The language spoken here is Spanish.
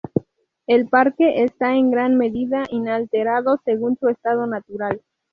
El parque está en gran medida inalterado según su estado natural.